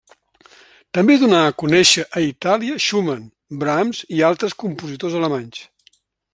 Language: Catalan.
També donà a conèixer a Itàlia Schumann, Brahms i altres compositors alemanys.